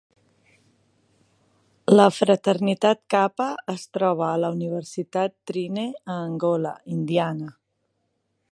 La fraternitat Kappa es troba a la Universitat Trine, a Angola, Indiana.